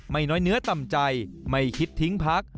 น้อยเนื้อต่ำใจไม่คิดทิ้งพัก